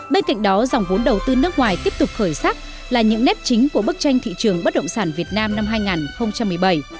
bên cạnh đó dòng vốn đầu tư nước ngoài tiếp tục khởi sắc là những nét chính của bức tranh thị trường bất động sản việt nam năm hai nghìn một mươi bảy